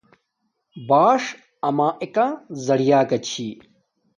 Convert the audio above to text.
باݽ اما ایک زیعیہ کا چھی۔